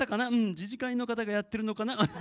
自治会の方がやってるのかな。